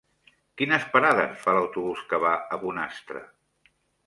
Quines parades fa l'autobús que va a Bonastre?